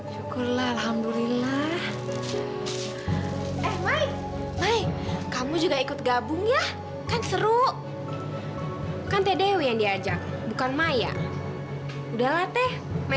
terima kasih banyak loh pak